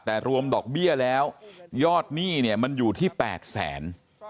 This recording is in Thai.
แต่รวมดอกเบี้ยแล้วยอดหนี้เนี่ยมันอยู่ที่๘แสน